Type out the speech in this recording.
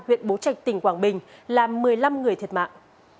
huyện bố trạch tỉnh quảng bình làm một mươi năm người thiệt mạng